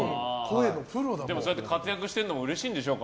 そうやって活躍しているのもうれしいんでしょう。